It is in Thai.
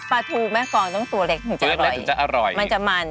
ปลาทูแม่ฟองต้องตัวเล็กจริงเล็กถึงจะอร่อยมันจะมัน